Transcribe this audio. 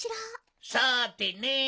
さてね！